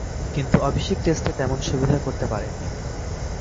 কিন্তু অভিষেক টেস্টে তেমন সুবিধা করতে পারেননি।